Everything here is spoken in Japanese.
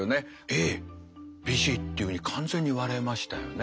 「Ａ」「ＢＣ」っていうふうに完全に割れましたよね。